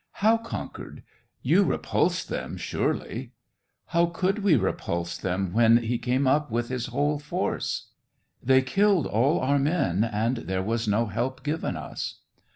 " How conquered } You repulsed them, surely }"" How could we repulse them, when he came up with his whole force ? They killed all our men, and there was no help given us."